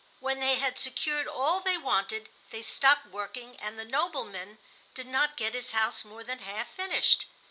When they had secured all they wanted they stopped working and the "nobleman" did not get his house more than half finished.